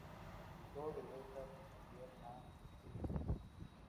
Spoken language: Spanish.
Y todos regresan en avión a Springfield.